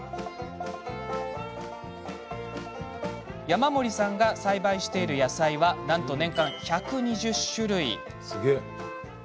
山森さんが栽培している野菜はなんと年間１２０種類。